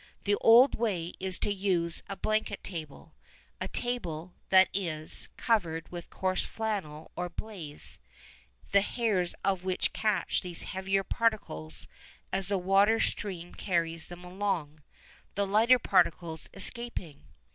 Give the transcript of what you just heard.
The old way is to use a blanket table, a table, that is, covered with coarse flannel or baize, the hairs of which catch these heavier particles as the water stream carries them along, the lighter particles escaping.